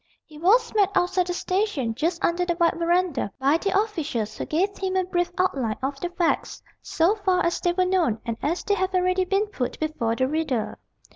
He was met outside the station, just under the wide verandah, by the officials, who gave him a brief outline of the facts, so far as they were known, and as they have already been put before the reader.